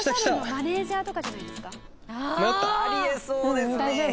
ああ！あり得そうですね！